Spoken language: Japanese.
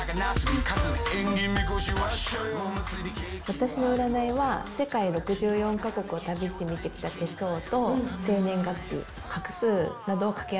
私の占いは世界６４カ国を旅して見てきた手相と生年月日画数などを掛け合わせて見ています。